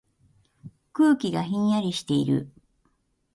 空気がひんやりしている。